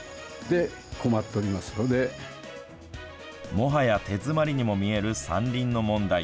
もはや手詰まりにも見える山林の問題。